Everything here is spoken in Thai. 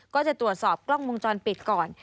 ก็จะตรวจสอบกล้องวงจรปิดก่อน